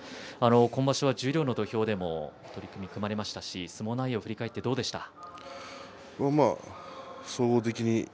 今場所は十両の土俵でも取組が組まれました相撲内容振り返ってどうですか。